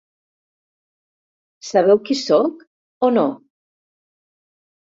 Sabeu qui sóc o no?